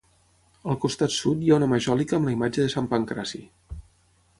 Al costat sud hi ha una majòlica amb la imatge de Sant Pancraci.